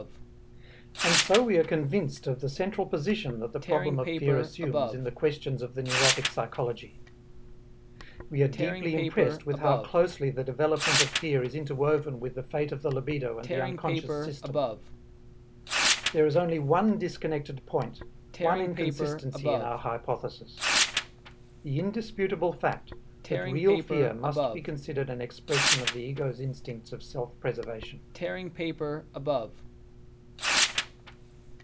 And so we are convinced of the central position that the problem of fear assumes in the questions of the neurotic psychology. We are deeply impressed with how closely the development of fear is interwoven with the fate of the libido and the unconscious system. There is only one disconnected point, one inconsistency in our hypothesis: the indisputable fact that real fear must be considered an expression of the ego's instincts of self preservation.